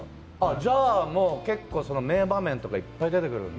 じゃあ、名場面とかいっぱい出てくるので。